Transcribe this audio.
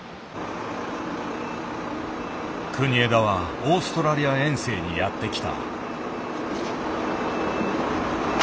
国枝はオーストラリア遠征にやって来た。